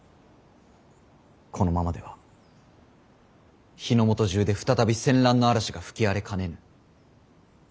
このままでは日本中で再び戦乱の嵐が吹き荒れかねぬ。